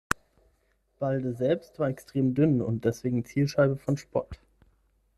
Balde selbst war extrem dünn und deswegen Zielscheibe von Spott.